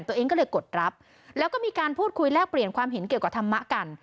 ตัวเองก็เลยกดรับแล้วก็มีการพูดคุยแลกเปลี่ยนความเห็นเกี่ยวกับธรรมะกัน